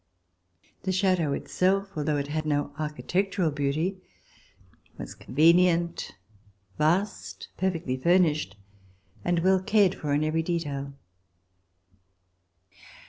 The chateau itself, although it had no architectural beauty, was convenient, vast, perfectly furnished and well cared for in every detail.